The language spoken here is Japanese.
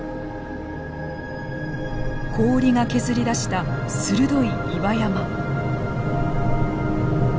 氷が削り出した鋭い岩山。